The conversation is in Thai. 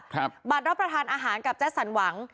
บัตรรับประทานอาหารกับแจ็คสันหวัง